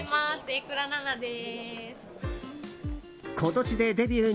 今年でデビュー